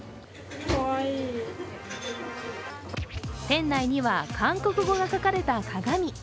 店内には、韓国語が書かれた鏡。